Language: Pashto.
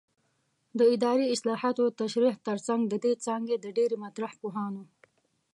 د اداري اصطلاحاتو د تشریح ترڅنګ د دې څانګې د ډېری مطرح پوهانو